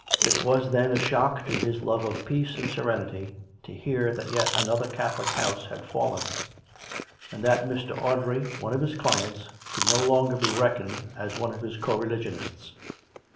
It was, then, a shock to his love of peace and serenity, to hear that yet another Catholic house had fallen, and that Mr. Audrey, one of his clients, could no longer be reckoned as one of his co religionists.